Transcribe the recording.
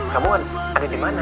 kamu kan ada dimana